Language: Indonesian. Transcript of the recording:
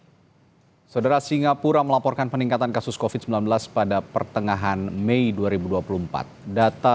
hai saudara singapura melaporkan peningkatan kasus covid sembilan belas pada pertengahan mei dua ribu dua puluh empat data